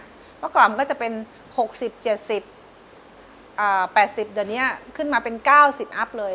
เมื่อก่อนมันก็จะเป็น๖๐๗๐๘๐เดี๋ยวนี้ขึ้นมาเป็น๙๐อัพเลย